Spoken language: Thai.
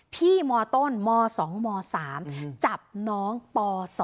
พี่มต้นม๒ม๓จับน้องป๒